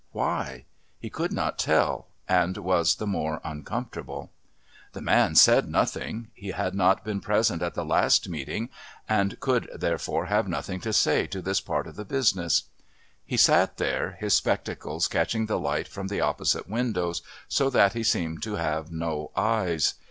Why? He could not tell and was the more uncomfortable. The man said nothing. He had not been present at the last meeting and could therefore have nothing to say to this part of the business. He sat there, his spectacles catching the light from the opposite windows so that he seemed to have no eyes.